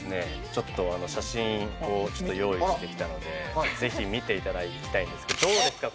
ちょっと写真をちょっと用意してきたので是非見ていただきたいんですけどどうですか？